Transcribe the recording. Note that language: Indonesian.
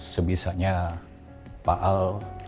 semisalnya pak al